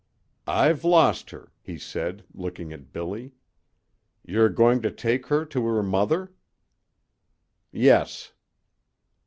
"I've lost her," he said, looking at Billy. "You're going to take her to her mother?" "Yes."